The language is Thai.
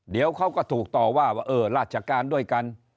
เดี๋ยวเขาก็ถูกต่อว่าว่าเออราชการด้วยกัน